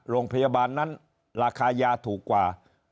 โรงพยาบาลนั้นราคายาถูกกว่า